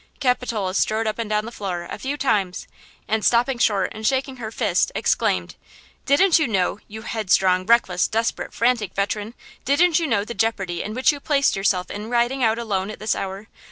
Capitola strode up and down the floor a few times, and, stopping short and shaking her fist, exclaimed: "Didn't you know, you headstrong, reckless, desperate, frantic veteran–didn't you know the jeopardy in which you placed yourself in riding out alone at this hour?